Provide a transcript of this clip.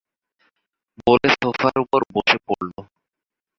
বলে সোফার উপর বসে পড়ল।